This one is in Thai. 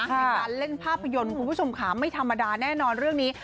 ในการเล่นภาพยนตร์คุณผู้ชมค่ะไม่ธรรมดาแน่นอนเรื่องนี้